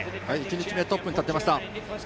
１日目トップに立っていました。